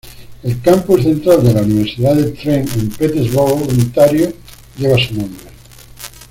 El Campus Central de la Universidad de Trent, en Peterborough, Ontario, lleva su nombre.